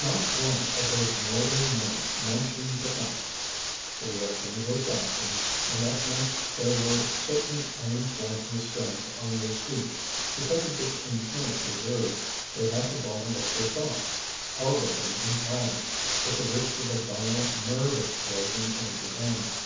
Not one of those northern men mentioned the fact. They were Anglo Saxons, and that meant there were certain iron clad restraints on their speech. Because of this inherent reserve they had to bottle up their thoughts, harbor them in silence, with the risk of a violent nerve explosion in the end.